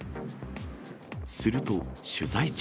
すると取材中。